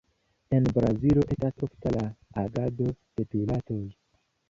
En Brazilo estas ofta la agado de piratoj.